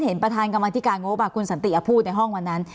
ประธานกรรมธิการงบคุณสันติพูดในห้องวันนั้น